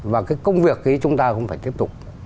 và công việc chúng ta cũng phải tiếp tục